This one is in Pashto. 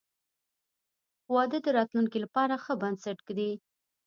• واده د راتلونکي لپاره ښه بنسټ ږدي.